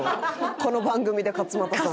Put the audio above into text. この番組で勝俣さん。